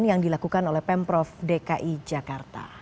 yang dilakukan oleh pemprov dki jakarta